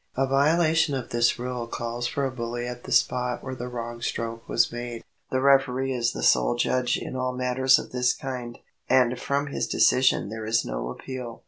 A violation of this rule calls for a bully at the spot where the wrong stroke was made. The referee is the sole judge in all matters of this kind, and from his decision there is no appeal.